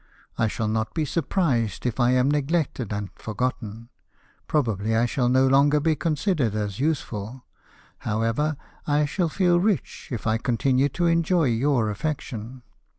I shall not be surprised if I am neglected and forgotten ; probably I shall no longer be considered as useful ; however, I shall feel rich if I continue to enjoy your affection.